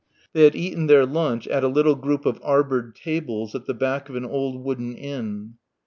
They had eaten their lunch at a little group of arboured tables at the back of an old wooden inn.